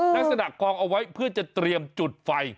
ลักษณะกองเอาไว้เพื่อจะเตรียมจุดไฟ